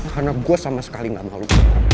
karena gue sama sekali gak malu